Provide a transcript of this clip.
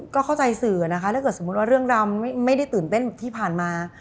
ก็เข้าใจสื่อนะคะถ้าเกิดสมมุติว่าเรื่องราวไม่ได้ตื่นเต้นที่ผ่านมา